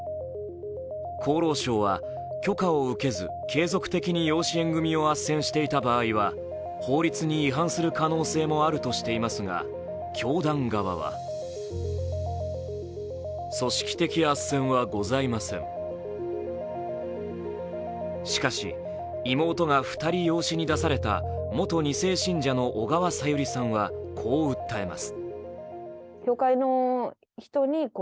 厚労省は許可を受けず継続的に養子縁組をあっせんしていた場合は法律に違反する可能性もあるとしていますが教団側はしかし妹が２人養子に出された元２世信者の小川さゆりさんはこう訴えます。